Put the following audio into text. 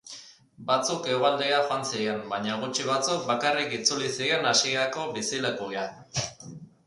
Batzuk hegoaldera joan ziren, baina gutxi batzuk bakarrik itzuli ziren hasierako bizilekura.